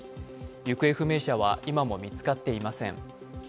行方不明者は今も見つかっていません。